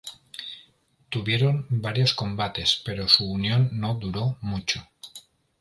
Tuvieron varios combates pero su unión no duró mucho.